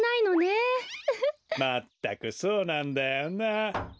まったくそうなんだよな。